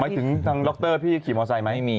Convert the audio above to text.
หมายถึงทางล็อคเตอร์พี่ขี่มอไซไหม